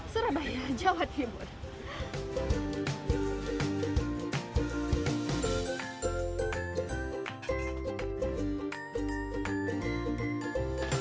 surabaya jawa timur